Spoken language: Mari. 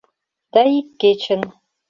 Да ик кечын